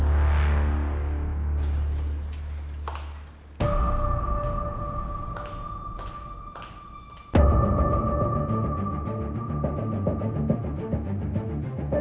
bagaimana yang berlaku dengan istri anda